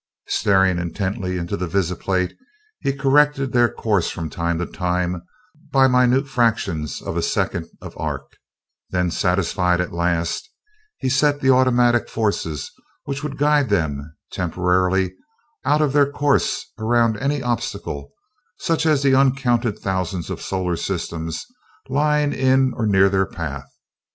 Staring intently into the visiplate, he corrected their course from time to time by minute fractions of a second of arc; then, satisfied at last, he set the automatic forces which would guide them, temporarily out of their course, around any obstacles, such as the uncounted thousands of solar systems lying in or near their path.